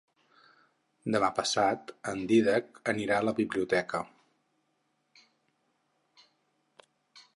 Demà passat en Dídac anirà a la biblioteca.